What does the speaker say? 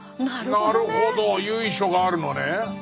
なるほど由緒があるのね。